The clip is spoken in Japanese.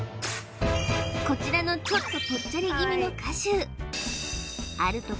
こちらのちょっとぽっちゃり気味のカシュー正解はＣＭのあと